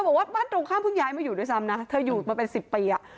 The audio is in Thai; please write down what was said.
บอกว่าบ้านตรงข้ามเพิ่งย้ายมาอยู่ด้วยซ้ำนะเธออยู่มาเป็น๑๐ปีอ่ะ